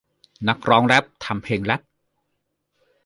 นักร้องแร็พทำเพลงแรพ